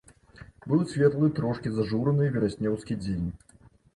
Быў светлы, трошкі зажураны, вераснёўскі дзень.